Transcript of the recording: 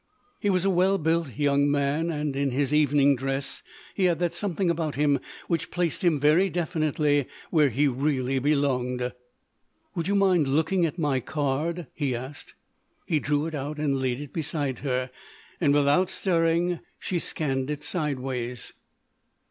He was a well built young man and in his evening dress he had that something about him which placed him very definitely where he really belonged. "Would you mind looking at my card?" he asked. He drew it out and laid it beside her, and without stirring she scanned it sideways.